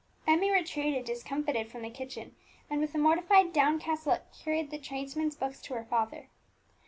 Emmie retreated discomfited from the kitchen, and with a mortified, downcast look carried the tradesmen's books to her father.